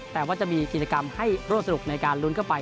แต่ว่าจะมีกิจกรรมให้ร่วมสนุกในการลุ้นเข้าไป